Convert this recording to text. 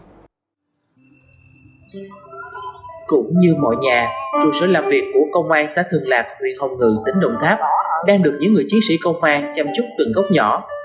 cũng như mọi nhà trụ sở làm việc của công an xã thường lạc huyện hồng ngự tỉnh đồng tháp đang được những người chiến sĩ công an chăm chúc từng gốc nhỏ